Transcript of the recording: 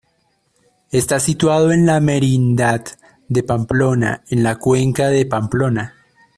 Está situado en la Merindad de Pamplona, en la Cuenca de Pamplona.